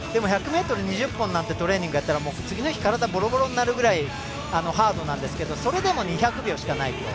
でも、１００ｍ２０本なんてトレーニングやったら次の日、体がボロボロになるぐらいハードなんですけど、それでも２００秒しかないと。